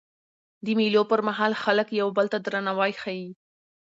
د مېلو پر مهال خلک یو بل ته درناوی ښيي.